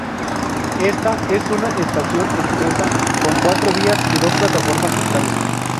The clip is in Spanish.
Esta es una estación expresa, con cuatro vías y dos plataformas centrales.